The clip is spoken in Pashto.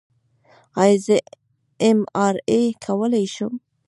ایا زه ایم آر آی کولی شم؟